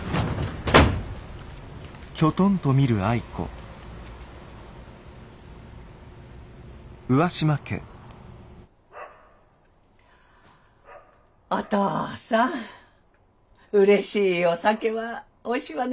お父さんうれしいお酒はおいしいわね。